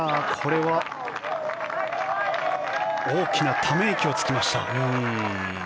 大きなため息をつきました。